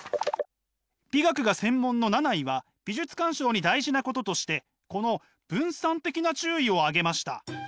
美学が専門のナナイは美術鑑賞に大事なこととしてこの「分散的な注意」を挙げました。